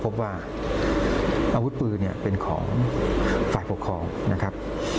พบว่าอาวุธปืนเนี่ยเป็นของฝ่ายปกครองนะครับ